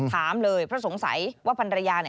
ถามเลยเพราะสงสัยว่าพันรยา